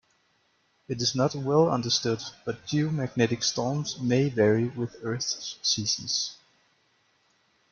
It is not well understood, but geomagnetic storms may vary with Earth's seasons.